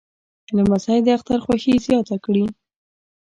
لمسی د اختر خوښي زیاته کړي.